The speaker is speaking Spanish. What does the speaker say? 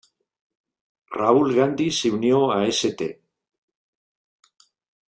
Rahul Gandhi se unió a St.